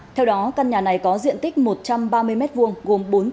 theo đó căn nhà này có diện tích một trăm ba mươi m hai